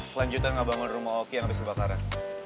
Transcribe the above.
selanjutnya gak bangun rumah oki yang habis dibakaran